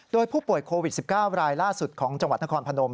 โดยผู้ป่วยโควิด๑๙รายล่าสุดของจังหวัดนครพนม